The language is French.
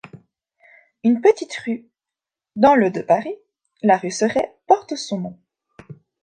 Une petite rue, dans le de Paris, la rue Serret, porte son nom.